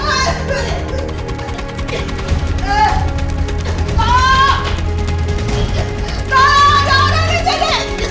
ah jangan lagi jadi